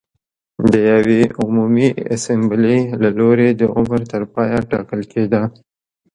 د یوې عمومي اسامبلې له لوري د عمر تر پایه ټاکل کېده